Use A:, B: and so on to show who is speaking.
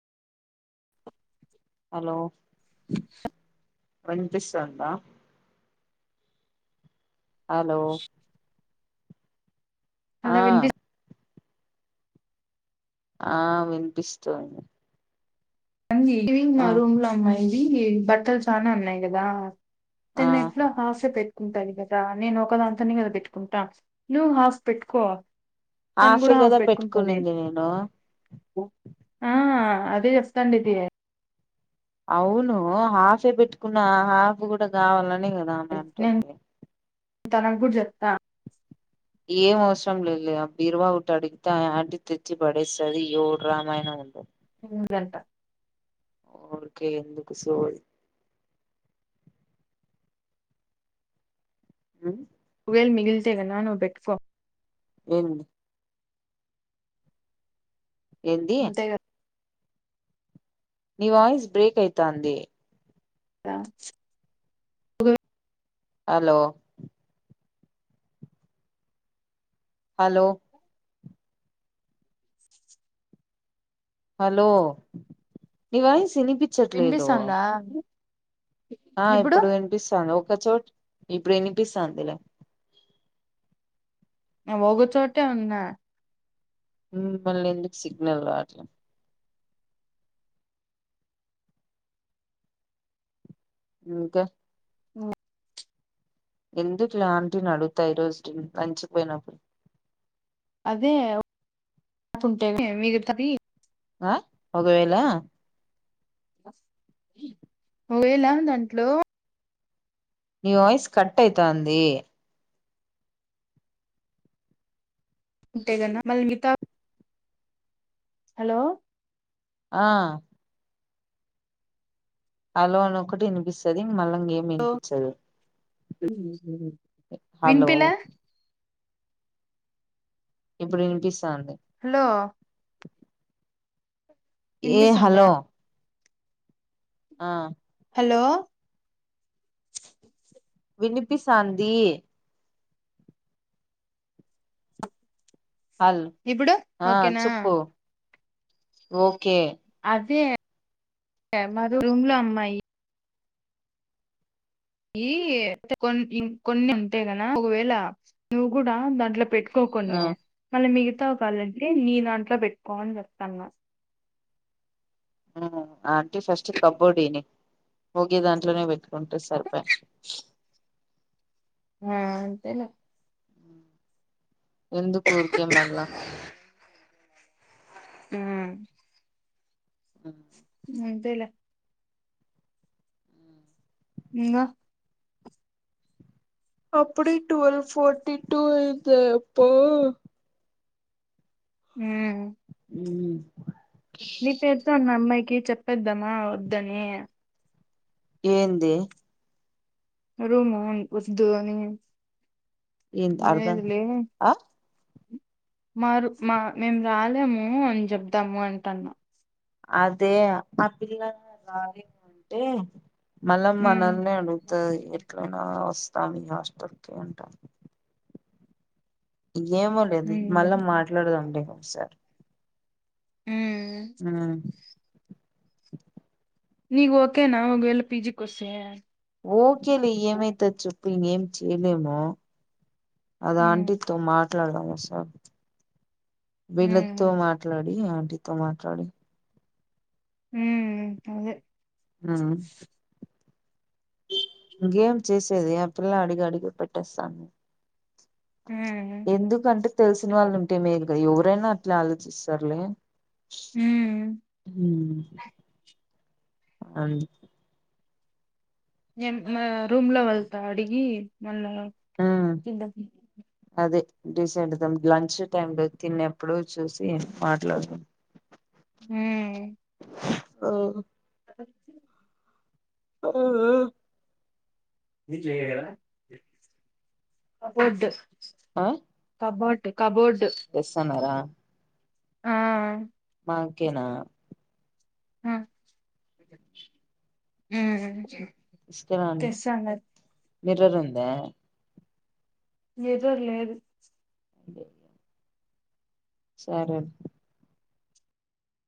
A: Hello వినిపిస్తుంద hello ఆ
B: అలా
A: ఆ వినిపిస్తుంది
B: ఇవినింగ్ మా
A: ఆ
B: రూమ్ లో అమ్మాయిది బట్టల్ చన ఉన్నాయ్ గదా
A: ఆ
B: తన్ ఎట్లో హాఫే పెట్ కుంటాది గదా నేన్ ఒకదాంతనే కదా పెట్టుకుంటా నువ్ హాఫ్ పెట్టుకో తన్
A: హాఫే
B: గూడా ఆఫ్
A: కదా
B: పెట్టుకున్ టది
A: పెట్టుకునింది నేను
B: ఆ అదే చెప్తంది ఇది
A: అవును హాఫే పెట్టుకున్న హాఫ్ గూడా గవాలన్ నేన్ గూడ అ మామ్ తొని
B: తనక్ గూడ్ జేప్తా
A: ఏం అవసరం లేద్ లే ఆ బీరువా ఒటడిగితే అ ఆంటి తెచ్చి పడేస్తుది యొడ్ రామాయణం ఉండదు
B: [unintelligible]
A: ఉరికే ఎందుకు సోదీ ఉమ్
B: ఒకెల్ మిగిల్తే ఎదన్నా నువ్ పేట్కో
A: ఎమ్ ఏంది
B: అంతే
A: నివాయిస్ బ్రేక్ అయితాంది
B: కదా
A: హలో హలో హలో నివాయిస్ వీనిపిచట్లేదు
B: వినిపిస్తాందా
A: ఆ ఇప్పుడు వినిపిస్తాంది ఒక చోట్ ఇప్పుడినిపిస్తాందిలే
B: అ ఒగ చోటే ఉన్నా
A: ఉమ్ మళ్ళెందుక్ సిగ్నల్ రాట్లే ఇంకా ఎందుకిలాంటిని అడుగుతావ్ ఈరోజ్ కి నంచిపోయినప్పుడు
B: అదే ఫుడ్ ఏమి మీరు సరి
A: ఆ ఒకవేళ
B: ఒకవెళ దాంట్లో
A: నీ వాయిస్ కట్ అయితంది
B: ఉంటే గాన మల మిగతా హలో
A: ఆ హలో అన్ ఒకటి వినిపిస్తాది మళ్ళ ఇంగెం వినిపిచదు హలో
B: విన్పిలా
A: ఇప్పుడ్ వినిపిస్తాంది
B: హలో
A: ఏ
B: వినిపిస్తుందా
A: హలో ఆ
B: హలో
A: వినిపిస్సందీ హల్
B: ఇప్పుడు
A: అ
B: ఓకేనా
A: చెప్పు ఓకే
B: అదే మా రూం రూమ్ లో అమ్మాయి. ఈ కొం ఇం కొన్ని ఉంటాయి గద ఒకవేళ నువ్ గూడా దాంట్లో పెట్. కో
A: ఆ
B: కొన్ని మళ్ళా మిగతా కావలంటే నీ దాంట్లో పెట్కో అని జేప్తానా.
A: ఆహ్ ఆంటీ ఫస్ట్ కబోడ్డీ. ఓకే దాంట్లోనే పెట్టుకుంటే సర్పయ్.
B: ఆహ్ అంతేలే.
A: ఎందుకూర్కే మల్ల
B: మ్
A: మ్
B: ఇంతేలె ఇంగ
A: అప్పుడె టువెల్ ఫర్టీ టు అయితది అప్ప
B: ఉమ్.
A: ఉమ్.
B: నీ పేరుతో ఉన్న అమ్మాయికి చెప్పేద్దామా వద్దని.
A: ఏంది.
B: రూమ్ వద్దు అని
A: ఏంది అర్ధం
B: లేదు లే.
A: ఆ
B: మా రు మా మేము రాలేము అని చెప్దాము అంటున్న.
A: అదే ఆ పిల్లకు లారీంగ్ అంటే. మళ్ళ
B: ఉమ్
A: మనల్నే అడుగుతది ఎట్లైనా వస్. కానీ హాస్టల్ కి అంట. ఏమో లేదు మళ్ళా
B: ఉమ్
A: మాట్లాడదంలె ఒకసారి.
B: ఉమ్
A: ఉమ్.
B: నీకు ఓకేనా ఒకవేళ పిజికోసేన్.
A: ఓకేలె ఏమైతది చెప్పు ఇంగ ఏం చేయలేము. అది
B: ఉమ్
A: ఆంటితో మాట్లాడాలి ఒకసారి. వీళ్ళతో
B: ఉమ్
A: మాట్లాడి ఆంటీతో మాట్లాడి.
B: ఉమ్ అదే.
A: ఉమ్. ఇంగేమ్ చేసేది ఆ పిల్ల అడిగి అడిగి పెట్టేస్తాంది.
B: ఉమ్
A: ఎందుకంటే తెలిసిన వాళ్ళు ఉంటే మేలుగా ఎవరైనా అట్లె ఆలోచిస్తారులే.
B: ఉమ్
A: ఉహ్మ్ అం.
B: ఏన్ మా రూమ్ లో వాళ్లతో అడిగి మళ్ళ కిందకి.
A: డీసెండ్దం లంచ్ టైమ్ లో తిన్నేప్పుడు చూసి మాట్లాడదం.
B: ఉహ్మ్.
A: ఆవ్ హ్. ఉమ్ ఉమ్.
B: కబ్బ్డ్ కబోడ్. టె కబోడ్స్.
A: ఎస్ అన్నాదా.
B: ఆహ్.
A: ఓకెనా.
B: ఉమ్ ఉమ్. తెస్తా అన్నది.
A: మిర్రరుందా.
B: మిర్రర్ లేదు.
A: అంతే. సరే.